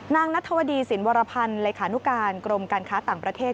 นางนัทธวดีสินวรพันธ์เลขานุการกรมการค้าต่างประเทศ